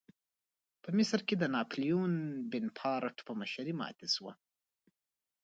په مصر کې د ناپلیون بناپارټ په مشرۍ ماتې شوه.